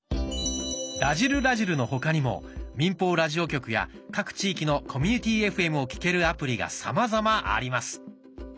「らじる★らじる」の他にも民放ラジオ局や各地域のコミュニティＦＭを聴けるアプリがさまざまあります。